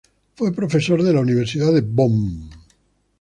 Fue profesor de la Universidad de Bonn.